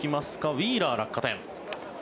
ウィーラー、落下点。